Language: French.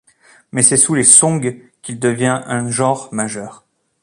Mais c'est sous les Song qu'il devient un genre majeur.